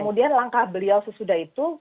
kemudian langkah beliau sesudah itu